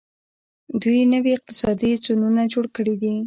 دوی نوي اقتصادي زونونه جوړ کړي دي.